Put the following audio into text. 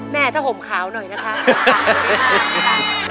แม่จะห่มขาวหน่อยนะครับ